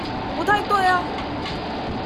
不太對啊！